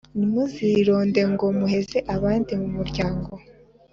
Ntimuzironde ngo muheze abandi mu muryango;